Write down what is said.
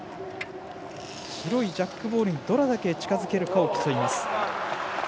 白いジャックボールにどれだけ近づけるかを競います。